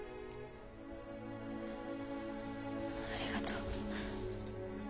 ありがとう。